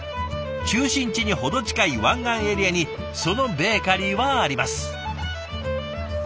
中心地に程近い湾岸エリアにそのベーカリーはあります。